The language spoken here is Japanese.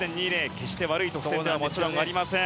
決して悪い得点ではありません。